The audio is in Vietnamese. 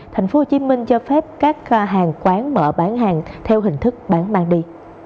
thành phố hồ chí minh cho phép các hàng quán mở bán hàng theo hình thức bán mang đi